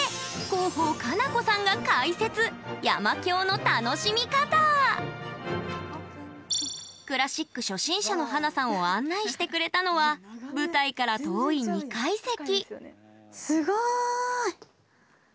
広報・奏子さんが解説クラシック初心者の華さんを案内してくれたのは舞台から遠い２階席。